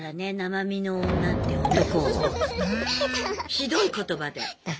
ひどい言葉で。